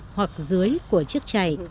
hoặc dưới của chiếc chày